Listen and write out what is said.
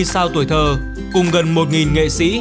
sau tuổi thơ cùng gần một nghệ sĩ